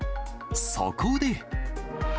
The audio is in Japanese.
そこで。